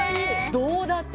どうだった？